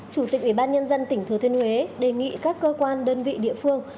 chủ tịch ủy ban nhân dân tỉnh thừa thiên huế đề nghị các cơ quan đơn vị địa phương